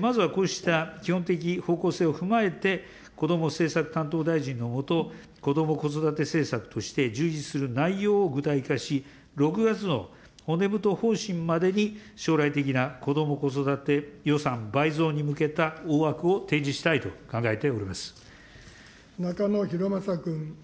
まずは、こうした基本的方向性を踏まえて、こども政策担当大臣の下、こども・子育て政策として、充実する内容を具体化し、６月の骨太方針までに、将来的なこども・子育て予算倍増に向けた大枠を提示したいと考え中野洋昌君。